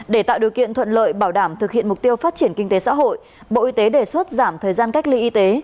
để tạo điều kiện thuận lợi bảo đảm thực hiện mục tiêu phát triển kinh tế xã hội bộ y tế đề xuất giảm thời gian cách ly y tế